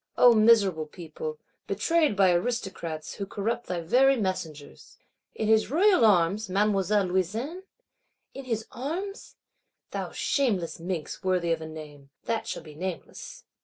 O miserable people, betrayed by Aristocrats, who corrupt thy very messengers! In his royal arms, Mademoiselle Louison? In his arms? Thou shameless minx, worthy of a name—that shall be nameless!